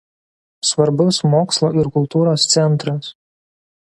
Svarbus mokslo ir kultūros centras.